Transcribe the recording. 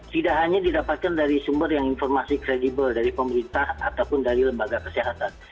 tidak hanya didapatkan dari sumber yang informasi kredibel dari pemerintah ataupun dari lembaga kesehatan